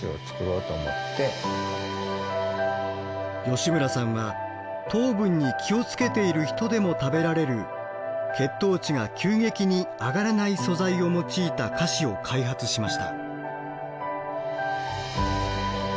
吉村さんは糖分に気を付けている人でも食べられる血糖値が急激に上がらない素材を用いた菓子を開発しました。